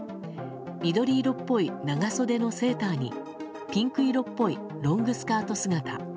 緑色っぽい長袖のセーターにピンク色っぽいロングスカート姿。